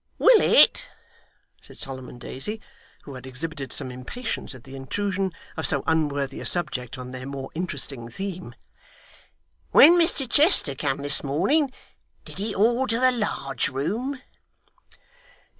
'Willet,' said Solomon Daisy, who had exhibited some impatience at the intrusion of so unworthy a subject on their more interesting theme, 'when Mr Chester come this morning, did he order the large room?